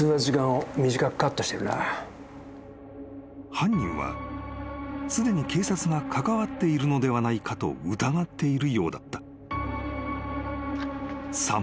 ☎☎［犯人はすでに警察が関わっているのではないかと疑っているようだった］